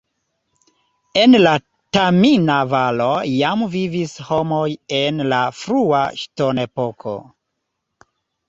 En la Tamina-Valo jam vivis homoj en la frua ŝtonepoko.